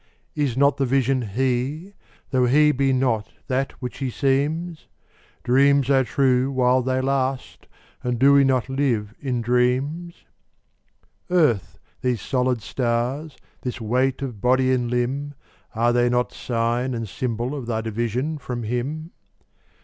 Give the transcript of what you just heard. Is not the Vision He? tho' He be not that which He seems? Dreams are true while they last, and do we not live in dreams? Earth, these solid stars, this weight of body and limb, Are they not sign and symbol of thy division from Him?